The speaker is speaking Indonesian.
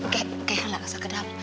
kayaknya gak segedap